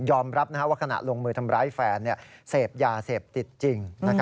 รับว่าขณะลงมือทำร้ายแฟนเสพยาเสพติดจริง